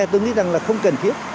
tôi nghĩ rằng là không cần thiết